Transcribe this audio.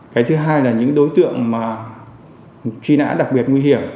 cái thứ hai là những đối tượng truy nã đặc biệt nguy hiểm